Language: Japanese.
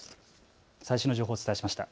最新の情報をお伝えしました。